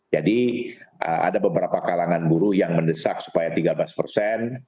jadi ada beberapa kalangan buruh yang mendesak supaya tiga belas persen